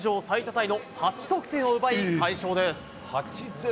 タイの８得点を奪い快勝です。